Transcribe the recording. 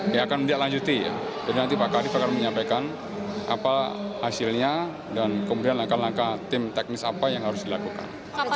ya akan menindaklanjuti ya jadi nanti pak karif akan menyampaikan apa hasilnya dan kemudian langkah langkah tim teknis apa yang harus dilakukan